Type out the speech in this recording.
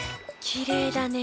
きれいだね。